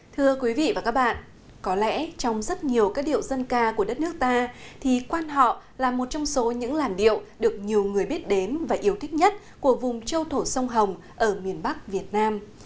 thưa quý vị và các bạn có lẽ trong rất nhiều các điệu dân ca của đất nước ta thì quan họ là một trong số những làn điệu được nhiều người biết đến và yêu thích nhất của vùng châu thổ sông hồng ở miền bắc việt nam